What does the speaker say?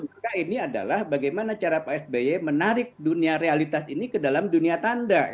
maka ini adalah bagaimana cara pak sby menarik dunia realitas ini ke dalam dunia tanda